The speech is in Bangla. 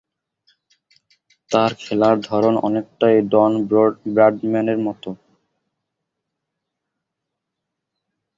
তার খেলার ধরন অনেকটাই ডন ব্র্যাডম্যানের মতো।